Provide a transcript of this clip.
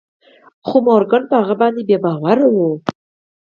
خو مورګان په هغه باندې بې باوره و